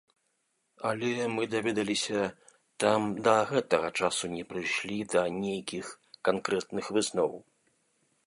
Але, мы даведаліся, там да гэтага часу не прыйшлі да нейкіх канкрэтных высноў.